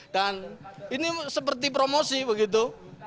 dan ini seperti promosi begitu